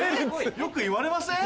よく言われません？